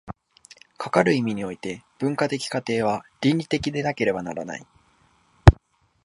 かかる意味において、文化的過程は倫理的でなければならない。